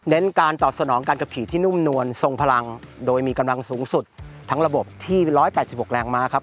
การตอบสนองการขับขี่ที่นุ่มนวลทรงพลังโดยมีกำลังสูงสุดทั้งระบบที่๑๘๖แรงม้าครับ